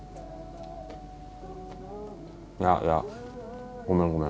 いやいやごめんごめん。